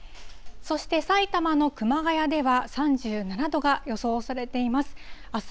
そして埼玉の熊谷では、３７度が予想されています。